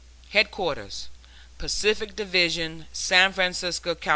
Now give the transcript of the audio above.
HEADQUARTERS PACIFIC DIVISION, SAN FRANCISCO, CAL.